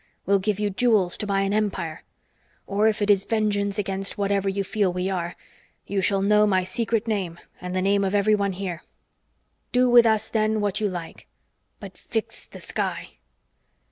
We'll give you jewels to buy an empire. Or if it is vengeance against whatever you feel we are, you shall know my secret name and the name of everyone here. Do with us then what you like. _But fix the sky!